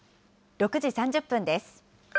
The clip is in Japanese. ６時３０分です。